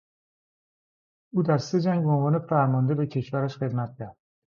او در سه جنگ به عنوان فرمانده به کشورش خدمت کرد.